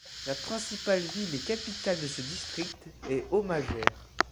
La principale ville et capitale de ce district est Omhajer.